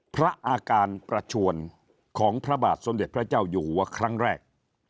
พระอาการประชวนของพระบาทสมเด็จพระเจ้าอยู่หัวครั้งแรก